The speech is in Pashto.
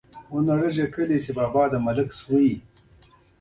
سیمونز وویل: که هغوی ته په لاس ورشې، زندان ته به دي ولیږي.